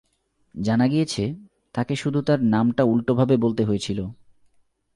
জানা গিয়েছে, তাকে শুধু তার নামটা উল্টোভাবে বলতে হয়েছিল।